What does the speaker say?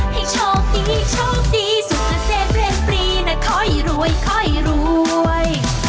ให้โชคดีโชคดีสุขเกษตรเรียนปรีนะค่อยรวยค่อยรวย